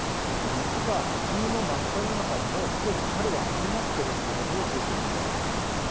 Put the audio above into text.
実は冬の真っただ中にもう既に春は始まってるってことを聖書は言いたいわけですよね。